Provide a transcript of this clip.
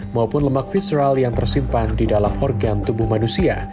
maupun lemak visral yang tersimpan di dalam organ tubuh manusia